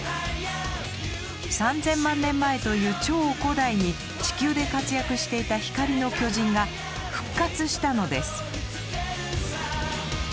３，０００万年前という超古代に地球で活躍していた光の巨人が復活したのです。